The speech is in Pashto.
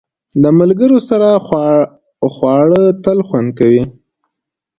د ملګرو سره خواړه تل خوند زیاتوي.